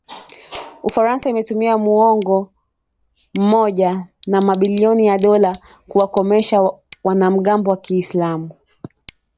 Ufaransa imetumia muongo mmoja na mabilioni ya dola kuwakomesha wanamgambo wa Kiislamu